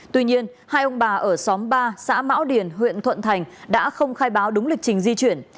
tuy nhiên hai ông bà ở xóm ba xã mão điền huyện thuận thành đã không khai báo đúng lịch trình di chuyển